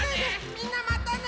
みんなまたね！